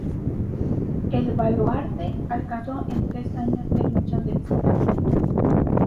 El Baluarte alcanzó en tres años el millón de visitantes.